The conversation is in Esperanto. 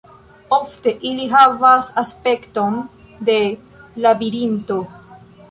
Ofte ili havas aspekton de labirinto.